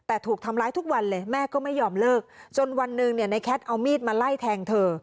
แต่ถูกทำร้ายทุกวันเลยแม่ก็ไม่ยอมเลิกจนวันหนึ่งเนี่ยในแคทเอามีดมาไล่แทงเธอ